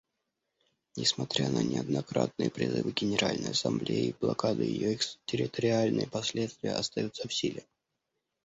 Несмотря на неоднократные призывы Генеральной Ассамблеи, блокада и ее экстерриториальные последствия остаются в силе.